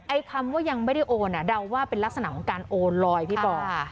คำว่ายังไม่ได้โอนเดาว่าเป็นลักษณะของการโอนลอยพี่ปอ